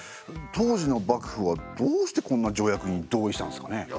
当時の幕府はどうしてこんな条約に同意したんすかね？